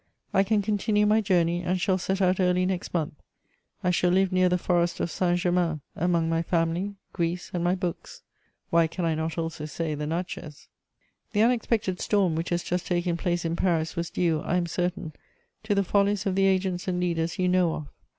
I can continue my journey, and shall set out early next month. I shall live near the Forest of Saint Germain, among my family, Greece, and my books: why can I not also say the Natchez! The unexpected storm which has just taken place in Paris was due, I am certain, to the follies of the agents and leaders you know of.